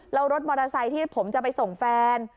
แล้วรถมอเตอร์ไซค์ที่ผมจะไปส่งแฟน